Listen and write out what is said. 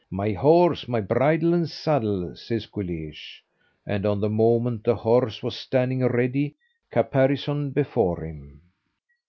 "My horse, my bridle, and saddle!" says Guleesh; and on the moment the horse was standing ready caparisoned before him.